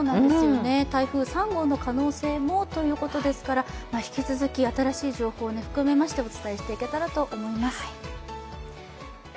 台風３号の可能性もということですから、引き続き新しい情報含めてお伝えしていけたらと思います。